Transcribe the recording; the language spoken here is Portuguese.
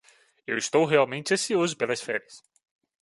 Estou realmente ansioso pelas férias.